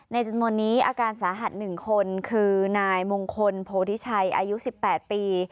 จำนวนนี้อาการสาหัส๑คนคือนายมงคลโพธิชัยอายุ๑๘ปี